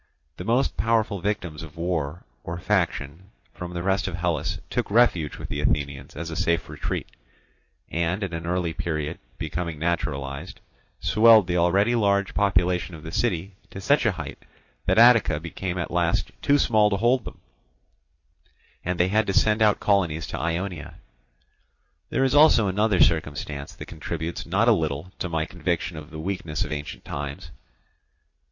The most powerful victims of war or faction from the rest of Hellas took refuge with the Athenians as a safe retreat; and at an early period, becoming naturalized, swelled the already large population of the city to such a height that Attica became at last too small to hold them, and they had to send out colonies to Ionia. There is also another circumstance that contributes not a little to my conviction of the weakness of ancient times.